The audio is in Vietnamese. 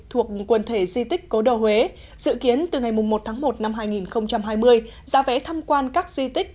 thuộc quần thể di tích cố đô huế dự kiến từ ngày một một hai nghìn hai mươi giá vẽ tham quan các di tích